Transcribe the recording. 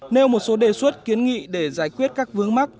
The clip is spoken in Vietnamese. nêu một số đề xuất kiến nghị để giải quyết các vướng mắc